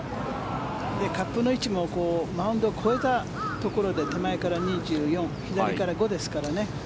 カップの位置もマウンドを越えたところで手前から２４左から５ですからね。